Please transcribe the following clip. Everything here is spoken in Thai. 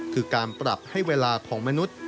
คือการปรับให้เวลาของมนุษย์